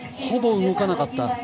ほぼ動かなかった。